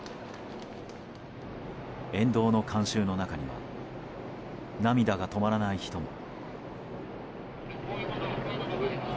沿道の観衆の中には涙が止まらない人も。